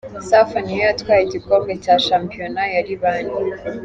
Safa niyo yatwaye igikombe cya shampiyona ya Libani.